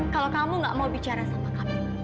kalau kamu gak mau bicara sama kami